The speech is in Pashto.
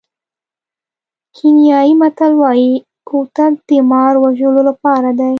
کینیايي متل وایي کوتک د مار وژلو لپاره دی.